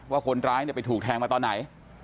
ว่าคนร้ายไปถูกแทงมาตอนไหน